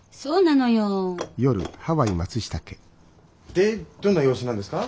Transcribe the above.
でどんな様子なんですか？